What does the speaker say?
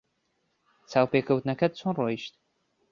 چاوپێکەوتنەکەت چۆن ڕۆیشت؟